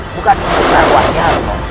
bukan memutar wajahmu